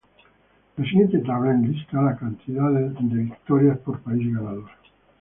La siguiente tabla enlista la cantidad de victorias por país ganador.